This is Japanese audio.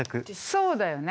そうだよね。